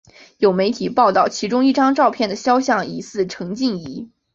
有媒体报道其中一张照片的肖像疑似陈静仪。